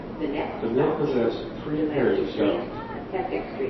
The mill possessed three pairs of stones.